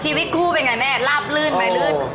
ชีวิตคู่เป็นไงแม่ลาบลื่นไหมลื่น